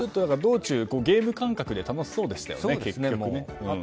道中、ゲーム感覚で楽しそうでしたよね。